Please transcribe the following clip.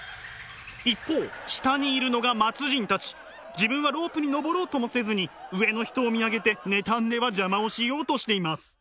自分はロープに登ろうともせずに上の人を見上げて妬んでは邪魔をしようとしています。